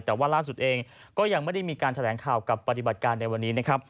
แต่ว่าล่าสุดเองก็ยังไม่ได้มีการแถลงข่าวกับปฏิบัติการในวันนี้นะครับ